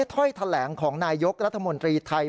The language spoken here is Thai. ถ้อยแถลงของนายกรัฐมนตรีไทย